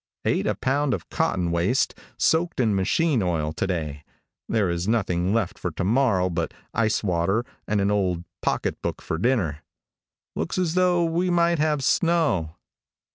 Ate a pound of cotton waste soaked in machine oil, to day. There is nothing left for to morrow but ice water and an old pocket book for dinner. Looks as though we might have snow.